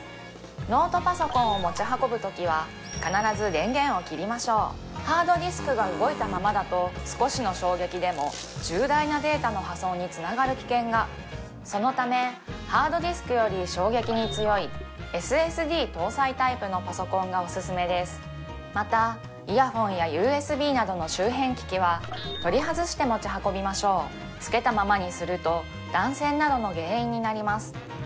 ノートパソコンを持ち運ぶときは必ず電源を切りましょうハードディスクが動いたままだと少しの衝撃でも重大なデータの破損につながる危険がそのためハードディスクより衝撃に強いＳＳＤ搭載タイプのパソコンがオススメですまたイヤホンやＵＳＢなどの周辺機器は取り外して持ち運びましょうつけたままにすると断線などの原因になります